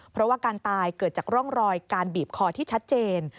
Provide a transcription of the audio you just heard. เพราะว่าการตายเกิดจากร่องรอยการบีบคอที่ชัดเจน